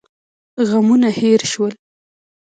غمونه هېر شول.